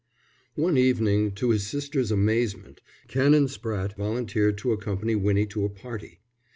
XI One evening, to his sister's amazement, Canon Spratte volunteered to accompany Winnie to a party.